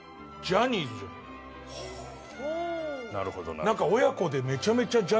なるほど。